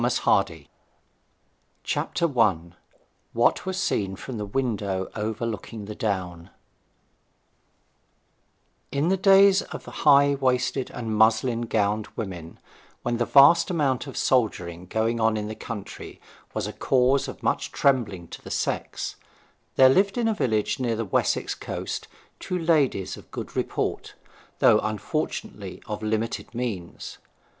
T. H. October 1895. I. WHAT WAS SEEN FROM THE WINDOW OVERLOOKING THE DOWN In the days of high waisted and muslin gowned women, when the vast amount of soldiering going on in the country was a cause of much trembling to the sex, there lived in a village near the Wessex coast two ladies of good report, though unfortunately of limited means.